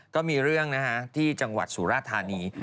ก็มีเรื่องที่จังหวัดสุรทานี